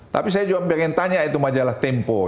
tapi saya juga mau tanya itu majalah tempo